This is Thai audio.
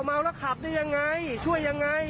เมาแล้วขับได้ยังไงช่วยยังไง